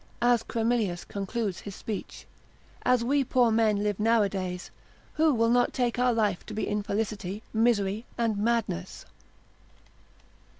as Chremilus concludes his speech, as we poor men live nowadays, who will not take our life to be infelicity, misery, and madness?